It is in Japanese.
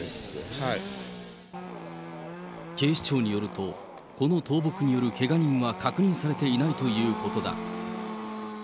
警視庁によると、この倒木によるけが人は確認されていないということだ。